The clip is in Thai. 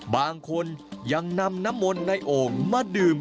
บางคนยังนำน้ำมนในองค์มาดื่ม